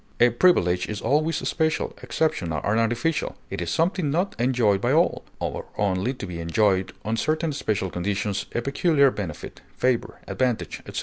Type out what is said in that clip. A privilege is always special, exceptional, and artificial; it is something not enjoyed by all, or only to be enjoyed on certain special conditions, a peculiar benefit, favor, advantage, etc.